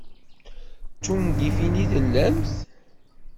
D tungifin i tellamt?